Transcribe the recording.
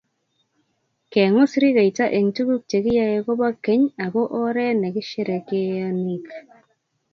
Kengus rikeito eng tukuk che kiyoe ko bo keny ako oree ne kisherekeonik.